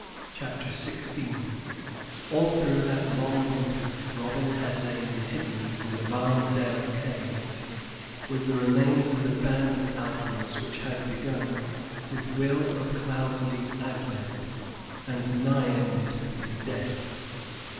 CHAPTER XVI All through that long winter Robin had lain hidden in the Barnesdale caves with the remains of the band of outlaws which had begun with Will of Cloudesley's advent and nigh ended with his death.